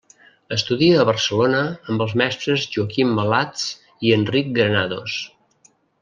Estudia a Barcelona amb els mestres Joaquim Malats i Enric Granados.